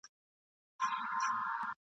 ځان ازاد که له ټولۍ د ظالمانو !.